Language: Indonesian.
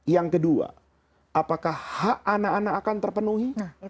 yang kedua apakah hak anak anak akan terpenuhi